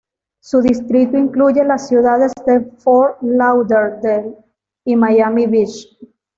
Su distrito incluye las ciudades de Fort Lauderdale y Miami Beach.